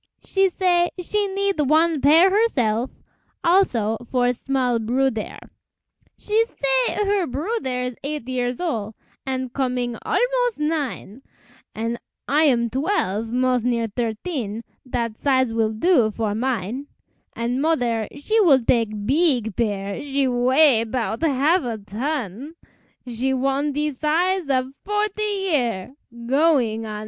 She say she need wan pair herself, Also for small bruddére. She say her bruddére's eight years ol' An' coming almos' nine, An' I am twelve, mos' near t'irteen, Dat size will do for mine: An' modder she will tak' beeg pair, She weigh 'bout half a ton, She wan' de size of forty year Go_ing_ on forty one.